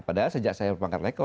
padahal sejak saya berpangkat leko